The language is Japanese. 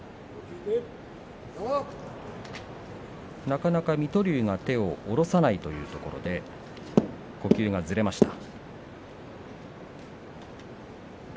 なかなか水戸龍が手を下ろさないということで呼吸がずれました。